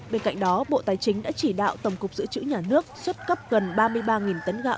bên cạnh đó bộ tài chính đã chỉ đạo tổng cục dự trữ nhà nước xuất cấp gần ba mươi ba tấn gạo